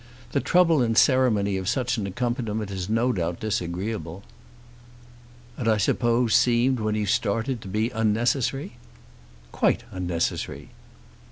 The trouble and ceremony of such an accompaniment is no doubt disagreeable." "And I suppose seemed when you started to be unnecessary?" "Quite unnecessary."